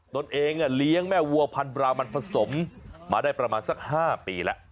ตนเองเลี้ยงแม่วัวพันบรามันผสมมาได้ประมาณสัก๕ปีแล้ว